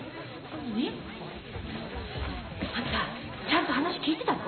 何？あんたちゃんと話聞いてたの？